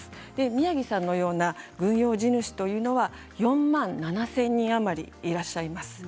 宮城さんのような軍用地主というのは４万７０００人余りいらっしゃいます。